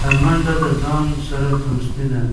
منډه د ځان سره دوستي ده